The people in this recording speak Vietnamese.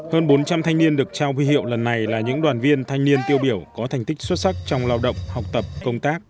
hơn bốn trăm linh thanh niên được trao huy hiệu lần này là những đoàn viên thanh niên tiêu biểu có thành tích xuất sắc trong lao động học tập công tác